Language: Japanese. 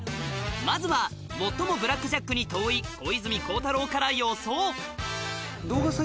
まずは最もブラックジャックに遠い小泉孝太郎から予想